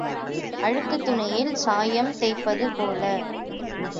அழுக்குத் துணியில் சாயம் தோய்ப்பது போல.